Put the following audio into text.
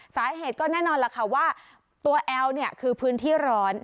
สาเหตุก็แน่นอนล่ะค่ะว่าตัวแอลเนี่ยคือพื้นที่ร้อน